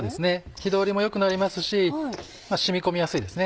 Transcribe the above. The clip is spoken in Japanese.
火通りも良くなりますし染み込みやすいですね